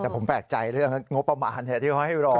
แต่ผมแปลกใจเรื่องงบประมาณที่เขาให้รอ